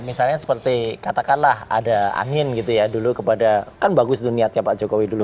misalnya seperti katakanlah ada angin gitu ya dulu kepada kan bagus itu niatnya pak jokowi dulu